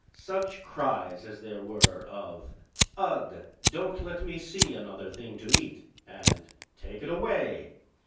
Such cries as there were of "Ugh! Don't let me see another thing to eat!" and "Take it away!"